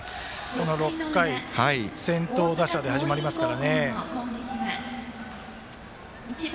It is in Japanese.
この６回先頭打者で始まりますから。